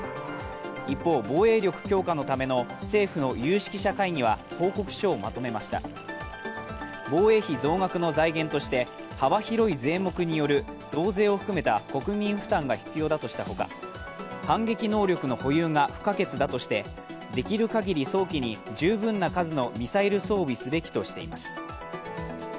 一方、防衛力強化のための政府の有識者会議は報告書をまとめました防衛費増額の財源として幅広い税目による増税を含めて国民負担が必要だとしたほか、反撃能力の保有が不可欠だとしてできるかぎり早期に十分な数のミサイル装備すべきとしています。